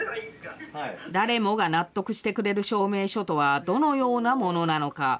誰もが納得してくれる証明書とはどのようなものなのか。